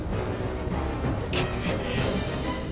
くっ。